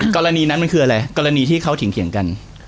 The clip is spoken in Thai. กรณีนั้นมันคืออะไรกรณีที่เขาเถียงกัน